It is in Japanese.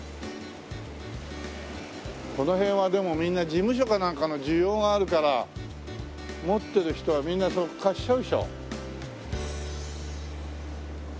この辺はでもみんな事務所かなんかの需要があるから持ってる人はみんな貸しちゃうでしょ？